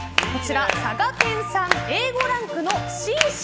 佐賀県産Ａ５ランクの芯々